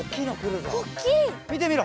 みてみろ。